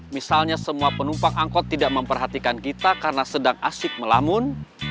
misalnya semua penumpang angkot tidak memperhatikan kita karena sedang asyik melamun